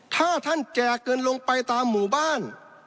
ถ้าท่านแจกเงินลงไปตามหมู่บ้าน